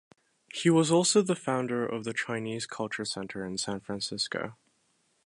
He was also the founder of the Chinese Culture Center in San Francisco.